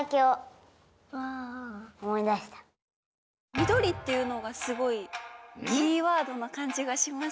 みどりっていうのがすごいキーワードなかんじがしますね。